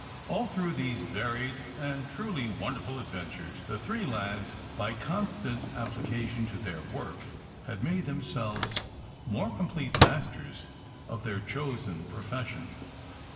All through these varied and truly wonder ful adventures the three lads, by constant ap plication to their work, had made themselves more complete masters of their chosen profes sion.